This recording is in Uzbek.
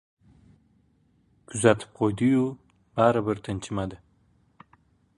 Kuzatib qo‘ydi-yu, baribir tinchimadi.